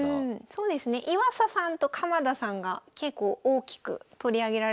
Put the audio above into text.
そうですね岩佐さんと鎌田さんが結構大きく取り上げられたかなと。